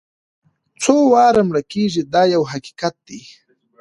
څو واره مړه کېږي دا یو حقیقت دی.